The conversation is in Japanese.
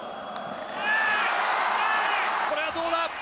これはどうだ？